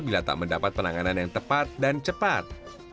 bila tak mendapat penanganan yang tepat dan cepat